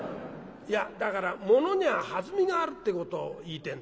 「いやだからものには弾みがあるってことを言いてえんだ俺はな。